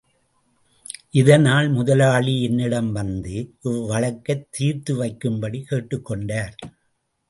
இதனால் முதலாளி என்னிடம் வந்து இவ்வழக்கைத் தீர்த்துவைக்கும்படி கேட்டுக்கொண்டார்.